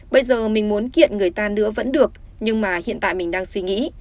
bây giờ mình muốn kiện người ta nữa vẫn được nhưng mà hiện tại mình đang suy nghĩ